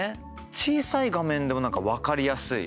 小さい画面でもなんか分かりやすい。